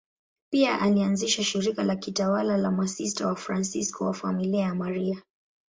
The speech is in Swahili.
Pia alianzisha shirika la kitawa la Masista Wafransisko wa Familia ya Maria.